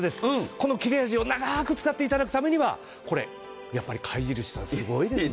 この切れ味を長く使っていただくためにはこれ、やっぱり貝印さんすごいですね。